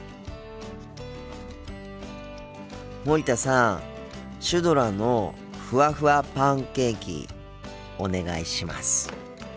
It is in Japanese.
森田さんシュドラのふわふわパンケーキお願いします。